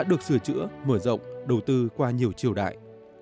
được sửa chữa mở rộng đầu tư qua nhiều triều đại